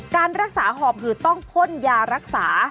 การรักษาหอบหืดต้องพ่นยารักษา